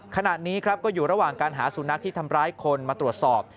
ขณะนี้ครับก็อยู่ระหว่างการหาสุนัขที่ทำร้ายคนมาตรวจสอบ